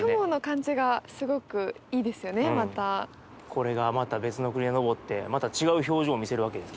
これがまた別の国で昇ってまた違う表情を見せるわけですから。